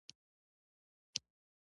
یوه خیالي هیواد دیکتاتور دی.